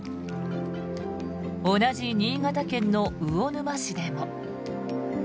同じ新潟県の魚沼市でも。